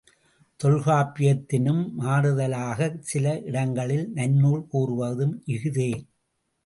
தொல்காப்பியத்தினும் மாறுதலாகச் சில இடங்களில் நன்னூல் கூறுவதும் இஃதே.